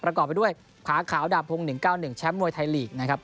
ประกอบไปด้วยขาขาวดาบพงศ์๑๙๑แชมป์มวยไทยลีกนะครับ